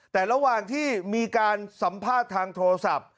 แต่ระหว่างที่มีการสัมภาษณ์ทางโทรศัพท์